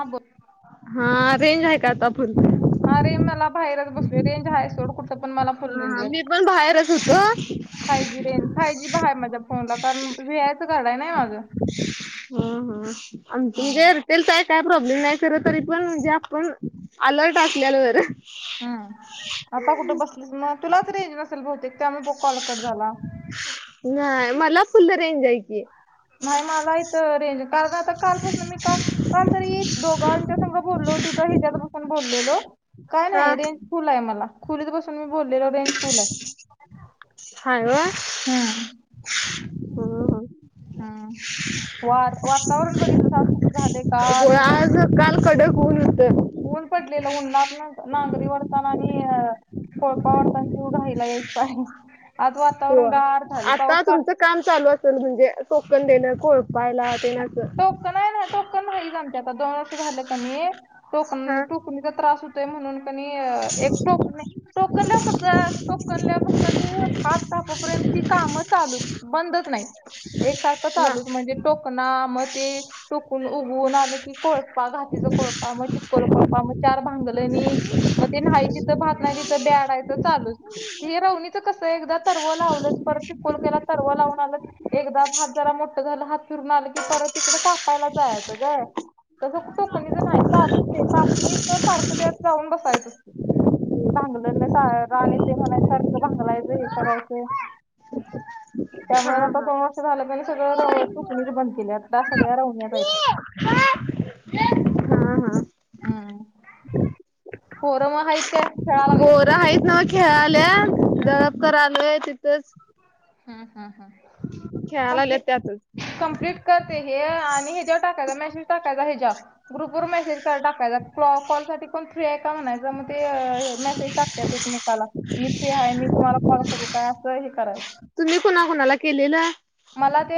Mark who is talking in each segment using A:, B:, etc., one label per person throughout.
A: हा बो
B: हा रेंज आहे का आता फुल?
A: हा रे मला बाहेरच बसलोय रेंज हाय सोड कुठ
B: हा हा मी पण बाहेरच हुतो.
A: फायजी रेंज फायजी आहे माझं फोनला कारण व्हीआय च कार्ड आहे ना माझं.
B: हं हं. आमच म्हणजे
A: हम्म.
B: एरिटेलचा आहे काय प्रॉब्लेम नाही खर तरी पण म्हणजे आपण अलर्ट असल्याल बरं.
A: हम्म. आता कुठं बसलीस मग तुलाच रेंज नसेल बहुतेक त्यामुळ कॉल कट झाला.
B: नाही मला फुल्ल रेंज हाय की.
A: नाही मला इथ रेंज कारण आता काल पासन मी का काल तरी दोघांच्या संघ बोललो तिथ हिज्यात बसून बोललेलो. काय
B: हा.
A: नाही रेंज फुल आहे मला. खुलीत बसून मी बोललेलो रेंज फुल आहे.
B: हाय व्य.
A: हम्म.
B: हं हं.
A: हम्म. वार वातावरण बघितलं तर कसं झालं गार
B: होय
A: एकदम.
B: आज काल कडक ऊन होतं.
A: ऊन पडलेलं उन्हात नांगरी वडताना आणि अ कोळपा वड पण जीव घायला यायच पाळी आज वातावरण गार
B: होय
A: झालंय
B: आता
A: पाऊस पाड
B: तुमचं काम चालू असेल म्हणजे टोकन देणं, कोळपायला तेन अस
A: नाही नाही टोकन नाही आमच्यात आता दोन वर्ष झाले कणी टोक
B: हा
A: टोकणीचा त्रास होतोय म्हणून कणी एक टोकणी टोकनल्यावर कस टोकनल्यापासून ते भात कापपर्यंत ती काम चालू बंदच नाही. एकसारखं
B: ना
A: चालूच म्हणजे टोकणा म ते सुुकून उगवून आलं की कोळपा, घातीचं कोळपा, मग चिकल कोळपा मग चार भांगलनी मग ते नाही जिथं भात नाही तिथं बॅडायचं चालूच. राहनीच कसं एकदा तरव लावलं परत च पोल केला तरव लावून आलं एकदा हात जराला मोठं झालं हात फिरून आलं की परत इकडं कापायला जायचं ग तसं कोोकणी ज नाही चालूते तर आपणी तर सारखरीत जाऊन बसावेत असते हे भांगलं राणी ते म्हणायच सारखं भांगलायचं हे करायचं
B: होक
A: त्यामुळे आता दोन वर्ष झालं सगळं रव चुकणी बंद केले आ त्या सगळ्या रवण्यात य
B: हा हा
A: हम्म होरमाय काय खेळायला लागल्यात.
B: बोरं आहेतच ना खेळाल्या
A: हम्म
B: जडप क आलोय तिथंच
A: ह ह ह
B: खेळायला
A: कमप्ली
B: लागल्यात त्यातच.
A: कमप्लीट करते हे आणि हे जे टाकायचा मॅश टाकायचा हच्याेव ग्रुप वर मेसेज टाकायचा कॉल साठी पण फ्री आहे का म्हणायच मग ते मेसेज टाकतात एकमेकाला मी फ्री आहे मी तुम्हाला कॉल करू पसो ह करयची
B: तुम्ही कुणाकुणाला केलेलं
A: मला ते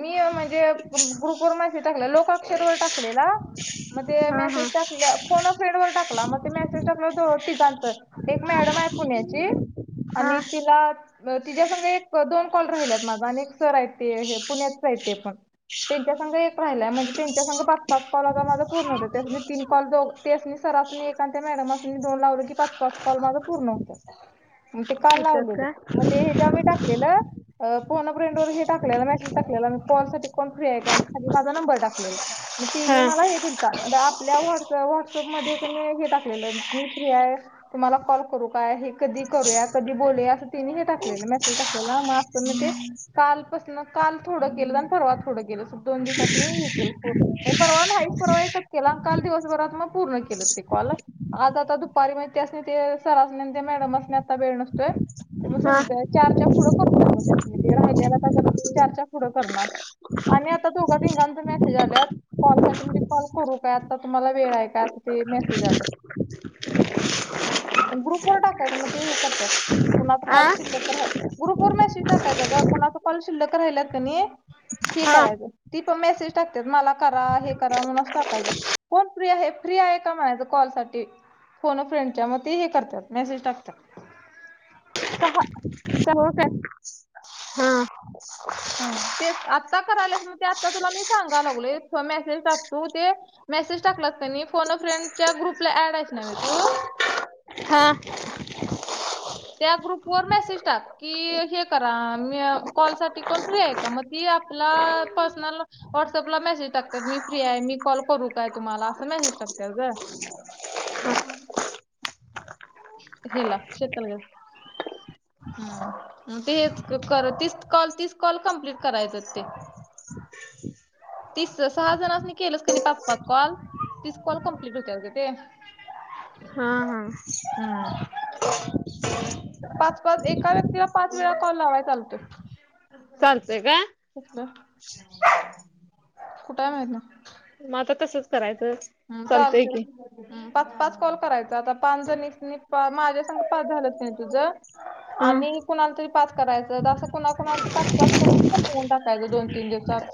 A: मी म्हणजे गरुकुर् ा लोक टक मग म
B: हा हा.
A: टा फोन फ्रेंड वर टाकला मग ते मेसेज टाकलं जळ तिघांच एक मॅडम आहे पुण्याची
B: हा
A: आणि तिला तिच्यास एक दोन कॉल राहिले माझा अनेक सर य हे पुण्यातच येते पण त्यांच्यास राहिलाय म्हणजे त्यांच्या सं पाच पाच कॉलता माझं पूर्ण होत त्यास तीन कॉल दो त्याच सरासनी त्या मॅडम असं मी दोन लावलं की पाच पाच कॉल माझ पूर्ण होत मग ते काल
B: येतात
A: लावलेलं
B: काय?
A: मग ते हे जमी टाकलेलं पोन फ्रेंड ववर हे टाकलेलं मेसेज टाकलेला कॉल सा कोण फ्री आहे का आणि खाली माझा नंबर टाकलेला मग तिने
B: हा.
A: मला हे दिल म्हे आपल्या वर व्हॉट्सअप मध्येी हे टाकलेलं मी फ्री आहे ते मला कॉल करू काय हे कधी करूया कधी बोलूया असं तिने हे टाकलेलं मेसेज टाकलेला मग तर मग ते कालपसन काल थोडं केलं आणि परवा थोडं गलं दोन दिवसात मी हे केलंू परवा नाही परवा एकच केला काल दिवसभरात मग पूर्ण केलं ते कॉल आता आता दुपारी मा अस नाही ते सर अस नाही ते मॅडम असणे आता बेळ नसतोय ते मग
B: हा
A: संध्या चार चार पुढं करतो राहिले चार चार पुुढं करणार आणि आता दोघ तीनघां मेसेज आल्या कॉल साठी म्हणजे कॉल करू का आता तुम्हाला वेळ आहे का असं ते मेसेज आलं
B: [unintelligible]
A: ग्रुप वर टाकायं मग ते हे करतात कुणाच
B: आ
A: कॉल शिल्लक रा आहेय गुरुपूर मशी टाकायचा ग कुणाच कॉल शिल्लक राहिलात का नाही हे
B: हा
A: करायचं ती पण मेसेज टाकते मला करा हे करा म्हणूनच टाकायचं कोण फ्री आहे फ्री आहे का म्हणायचं कॉल साठी कोण फ्रेंडच्या म हे करतात मेसेज टाकतात सहा
B: तर हो का हा
A: ह ते आत्ता करायलाच मग ते आता तुला मी सांगा लागलो मेसेज तू ते मेसेज टाकला अस का फोन फ्रेंडच्या ग्रुपला ऍड आहेच नाव्हे तू
B: हा
A: त्या ग्रुप वर मेसेज टाक की हे करा मी कॉल साठी कोण फ्री आहे का मग आपला पर्सनल व्हॉट्सअपला मेसेज टाकतात मी फ्री आहे मी कॉल करू काय तुम्हाला असं मेसेज टाकतात ग हेला चेेतनग
B: [inaudible]
A: ह ते हेच कर ती कॉल तीस कॉल कमप्लीट करायच हो ते
B: [inaudible]
A: ते सहा जनासनी केलंस कणी पाच पाच कॉल तीस कॉल कंप्लिट होत्यात गं ते
B: हा हा
A: हम्म. पाच पाच एका व्यक्तीला पाच वेळा कॉल लावाय चालतो
B: चालतंय का?
A: कुठंय माहीत नाही
B: मं आता तसच करायचं
A: हम्
B: चालतंय की.
A: चालतय पाच पाच कॉल करायचा आता पाच जणीसनी माझ्या संग पाच झालेत की नाही तुझं
B: हा
A: आणि कुणाला तरी पाच करायचं असं कुणा कुणाला तरी पाचं पाच करून संपून टाकायचं दोन तीन दिवसात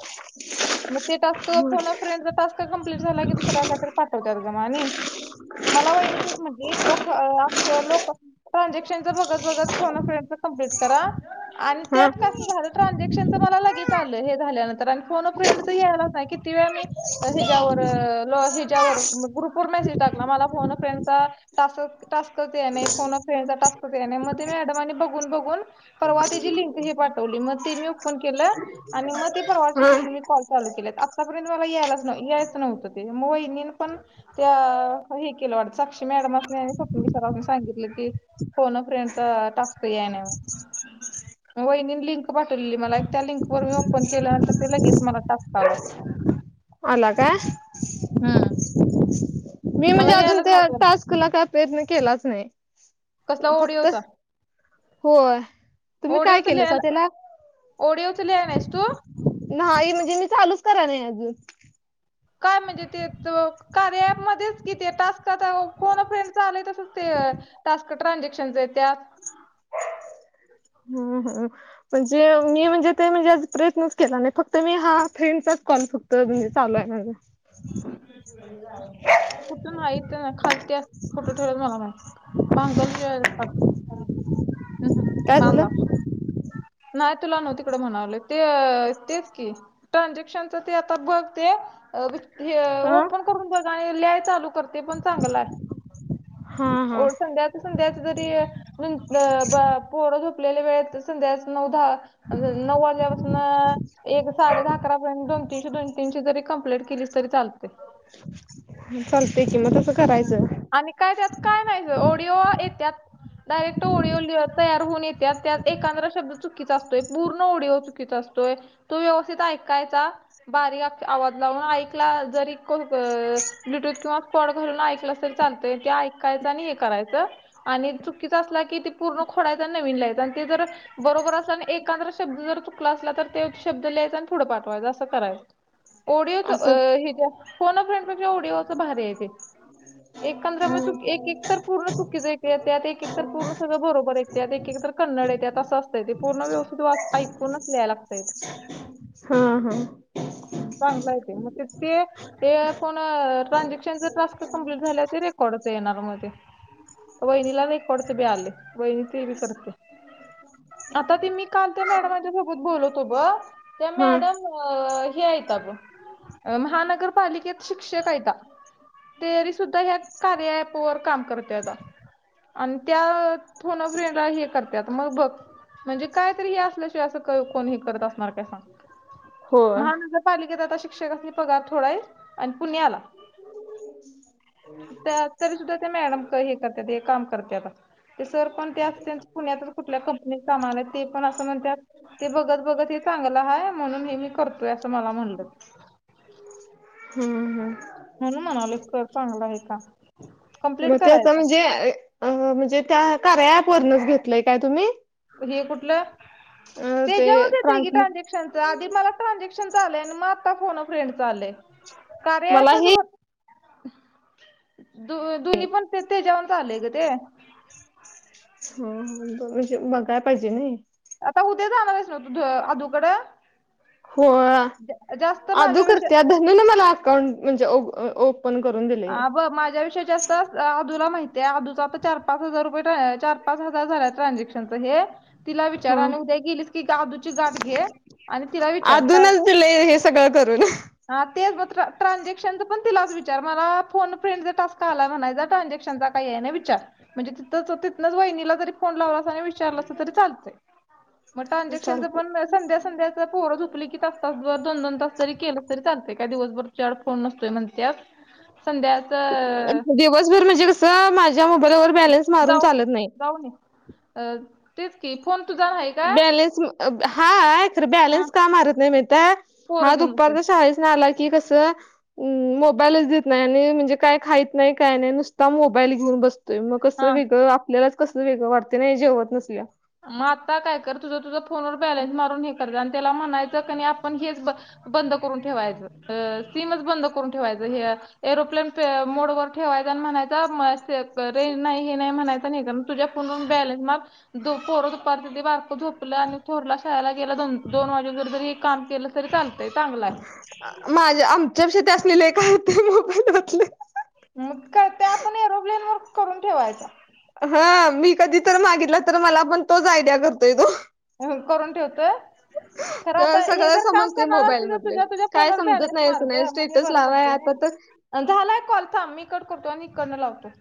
A: मग ते टास्क फोन अ फ्रेंड चं टास्क कम्प्लीट झालं की दुसरं काहीतरी पाठवतात ग म आणि मला वहिनी तेच म्हणली तुला अक्षर लोक अक्षर ट्रानझॅक्शनच बघत बघत फोन अ फ्रेंड्चं कम्प्लीट करा आणि
B: हा.
A: त्यात कसं झालं ट्रान्झॅक्शनच मला लगेच च आलं हे झाल्यानंतर आणि फोन अ फ्रेंड यायलाच नाही किती वेळ मी ह्याच्यावर ल हिच्यावर ग्रुप वर मेसेज टाकला मला फोन अ फ्रेंडचा टास्कच याय नाही फोन अ फ्रेंडचा टास्कच याय नाही मग मॅडमांनी बघून बघून परवा त्याची लिंक हे पाठवली मग ते मी ओपन केलं आणि मग ते
B: हा
A: परवाशीपासून मी कॉल चालू केले आतापर्यंत मला यायलाच यायच नव्हतं ते मग वहिणी पण त्या हे केलं वाटत साक्षी मॅडमास्नी आणि स्वप्नील सरास्नी सांगितलं की फोन अ फ्रेंडचा टास्क यायला नाही म्हणून
B: [unintelligible]
A: वहिनी नी लिंक पाठवलेली मला त्या लिंक वर मी ओपन केल्यानंतर ते लगेच मला टास्क आला
B: आला काय
A: हम्म
B: मी
A: मला
B: म्हणजे अजून
A: यायलाच
B: ते
A: नव्हतं
B: टास्क कला काय प्रयत्न केलाच नाही
A: कसला
B: फक्त
A: ओडिओचा
B: होय तुम्ही काय
A: ओडिओच
B: केलंसा
A: लिहायला
B: त्याला?
A: ओडिओच लिहाय नाहीस तू
B: नाही म्हणजे मी चालूच कराय नाही अजून
A: काय म्हणजे ते कार्या अँप मध्येच कि ते टास्क फोन अ फ्रेंड चं आलाय तसच ते टास्क ट्रानझॅक्शनचं येत्यात
B: हम् हम म्हणजे मी म्हणजे ते म्हणजे आ प्रयत्नच केला नाही फक्त मी हा फ्रेंडचाच कॉल फत त चालू आहे माझा
A: कुठ नाहितं खालती अस कुठं ठेवल्यात मला माहीत भांगलंय वाटतं
B: काय
A: बांदव
B: झालं
A: नाही तुला नव्ह तिकडं म्हणालोय ते तेच की ट्रानझॅक्शनच ते आता बघ ते
B: अ
A: ओपन करून बग आणि ल्याय चालू कर ते पण चांगलं आहे
B: हा हा
A: ओ संध्याकाळचं संध्याकाळचं जरी पोरं झोपलेल्या वेळेत संध्याकाळी नऊ दहा नऊ वाजल्यापासनं एक साडेदहा अकरा पर्यंत दोन तीनशे दोन तीनशे जरी कंप्लिट केलीस तरी चालतंय
B: चालतंय की म तसं
A: हम्म
B: करायचं
A: आणि काय त्यात काय नाही गं ओडिओ येत्यात डायरेक्ट ओळी ओळी तयार होऊन येते त्या एकांधा शब्द चुकीचा असतोय पूर्ण ओडीओ चुकीच असतोय तो व्यवस्थित ऐकायचा बारीक आवाज लावून ऐकला जरी [unintelligible] ब्लूटूथ किंवा कॉड घालून ऐकलंस तरी चालतंय ते ऐकायचं आणि हे करायचं आणि चुकीचा असला की ते पूर्ण खोडयचं आणि नवीन लिहायचा आणि ते जर बरोबर असलं आणि एकंद्रा शब्द जर चुकला असला तर ते शब्द लिहायचा आणि पुढं पाठवायचा अस करायचं ओडिओच
B: असं
A: हच्या फोन अ फ्रेंड पेक्षा ओडिओचं भारी हाय ते एकांद्र मं एक एक तर पूर्ण चुकीचं येत्यात एक एक तर पूर्ण सगळं बरोबर य एक एक कन्नड येतात असं असतं ते पूर्ण व्यवस्थित ऐकूनच लिहायला लागतय.
B: हा हा-
A: हम् चांगलय कि मग ते ते पण ट्रानझॅक्शनचा टास्क कंमप्लीट झाला ते रेकॉर्डच येणार मग ते वहिणीला रेकॉर्डचं बी आले वहिणी ते बी करतेया. आता ते मी काल त्या मॅडमाच्या सोबत बोलवतो बघ त्या
B: हा
A: मॅडम हे आहेता बघ. महानगरपालिकेत शिक्षक हायता. तेरी सुद्धा ह्या कार्या ॲप वर काम करत्याता आणं त्या फोन अ फ्रेंड हे करत्यात मग बघ म्हणजे कायतरी हे असल्याशिवाय अस कोणी करत असणार काय सांग
B: हो
A: मग झ पालिकेत आता शिक्षक असले पगार थोडाय? आणि पुण्याला तरी सुद्धा त्या मॅडम हे करत्याता काम करत्याता ते सर पण ते त्यांच पुण्यातुन कुठल्या कंपनीत कामाला ते पण असं म्हणतात ते बघत बघत हे चांगलं आहे म्हणून हे मी करतोय असं मला म्हणलं
B: हम्म हम्
A: म्हणून म्हणाले कर चांगलय काम
B: मग तें म्हणजे म्हणजे त्या कार्या ॲप वरनच घेतलंय काय तुम्ही?
A: हे कुठलं?
B: अ ते
A: तेज्यावरच येतंय की
B: ट्रान्सले
A: ट्रानझॅशन आधी मला ट्रान्झॅक्शन आलंय आणि मग आता फोन फ्रेड आलंय कार्या
B: मला
A: ॲप च
B: हे
A: हो द दुनी पण ते त्याच्यावुणचं आलंय ग ते
B: हो म्हणजे मग काय पाहिजे नय '-
A: आता उद्या जाणार आहेस ना तु अदुकडं
B: हो अदु करते
A: माझ्यापेक्षा
B: धनू नं मला अकाउंट म्हणजे ओपन करून दिल
A: हा बघ माझ्याविषयी जास्त अदूला माहितीय आहे आदुचा आता चार पाच हजार रुपये चार पाच हजार झाला ट्रान्झॅक्शनच हे तिला विचार
B: हम
A: आणि उद्या गेलीस की आदूची गाठ घे आणि तिला विचार काय?
B: अधूनच दिलंय हे सगळं करून.
A: हा तेच मग ट्रान्झॅक्शनच पण तिलाच विचार मला फोन फ्रेंडचा टास्क आला म्हणायचा ट्रान्झॅक्शनचा का यायना विचार म्हणजे तिथंच तिथनचं वहिला जरी फोन लावला आणि विचा [inaudible] चालतय म ट्रानझॅशनचं
B: चालते.
A: पण [unintelligible] संध्या संध्याचं पोरं झोपली की तास तासर दोन दोन तास तरी केलं तरी चालतय का दिवस भर फोन नसतोय म्हणतीयास
B: [inaudible] दिवसभर म्हणजे कस माझ्या मोबाईलवर बॅलेंन्स मारून
A: जाऊन
B: चालत नाही.
A: जाऊन ये अ तेच की फोन तुझा नाही काय?
B: बॅलन्स हाय. तर
A: हा
B: बॅलेंन्स का मारत नाही माहिते. हा
A: पोरं घेऊन बसत्यात
B: दुपारचा शाळेतनं आला की ते कसं? हम् मोबाईलच देत नाही आणि म्हणजे काय खाइत नाही काय नाही नुसता मोबाईल घेऊन बसतो. त मग
A: हा.
B: कसं वेगळं आपल्यालाच कसं वेगळं वाटत ना हे जेवत नाय.
A: मग आता काय कर तुझं तुझं फोनवर बॅलेंन्स मारून हे करायचं आणि त्याला म्हणायचं कनाय आपण हेच बंद करून ठेवायचं. सीमच बंद करून ठेवायचं हे. एरोप्लेन मोडवर ठेवायचा आणि म्हणायच रेंज नाही हे नाही म्हणायचं नाही करा तुझ्या फोनवरून बॅलेंन्स मार पोरं दुपार बारंक झोपलं आणि थोरला खेळायला गेला दोन दोन वाजून जरी जरी हे काम केलं, तरी चालतंय चांगलंय.
B: माझ्या आमच्याशी त्यांसनी लेय काय होते
A: मग काय ते आपण एरोप्लेन वर करून ठेवायचा.
B: हा मी कधी तर मागितला तर मला पण तोच आयडिया देतोय तो.
A: करून ठेवतोय.
B: [unintelligible]
A: खरं आता
B: तर
A: हे
B: सगळं
A: जर काम
B: समजते
A: करणार
B: मोबाईल
A: असली तर
B: मधले,
A: तुझ्या तुझ्या
B: काय
A: फोनवर
B: समजत
A: बॅलन्स
B: नाही
A: मार
B: असं नाही,
A: गं म्हणजे
B: स्टेटस
A: बरं
B: लावाय
A: पडतंय
B: आता त
A: नाही. झालाय कॉल, थांब मी कट करतो, आणि इकडण लावतो.